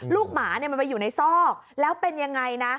หมามันไปอยู่ในซอกแล้วเป็นยังไงนะ